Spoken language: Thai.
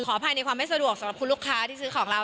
อภัยในความไม่สะดวกสำหรับคุณลูกค้าที่ซื้อของเรา